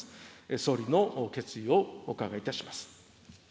総理の決意をお伺いいたします。